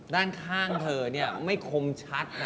ด้านข้างเธอไม่คมชัด